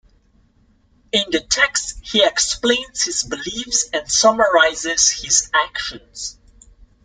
In the text he explains his beliefs and summarizes his actions.